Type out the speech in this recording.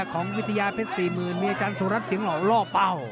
ของวิทยาเพชร๔๐๐๐มีอาจารย์สุรัสเสียงเหล่าล่อเป้า